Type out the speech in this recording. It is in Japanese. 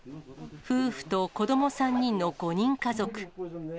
夫婦と子ども３人の５人家族。